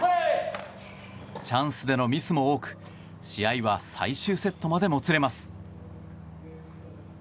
チャンスでのミスも多く試合は最終セットまでもつれます。